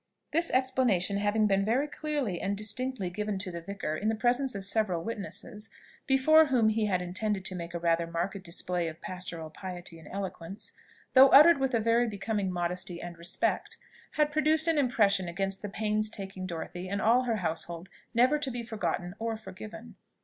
This explanation having been very clearly and distinctly given to the vicar in the presence of several witnesses, before whom he had intended to make a rather marked display of pastoral piety and eloquence, though uttered with very becoming modesty and respect, had produced an impression against the pains taking Dorothy and all her household never to be forgotten or forgiven.